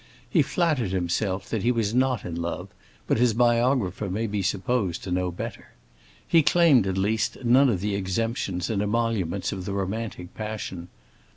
He flattered himself that he was not in love, but his biographer may be supposed to know better. He claimed, at least, none of the exemptions and emoluments of the romantic passion.